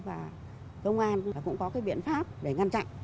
và công an cũng có cái biện pháp để ngăn chặn